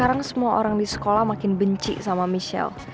sekarang semua orang di sekolah makin benci sama michelle